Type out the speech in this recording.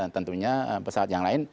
tentunya pesawat yang lain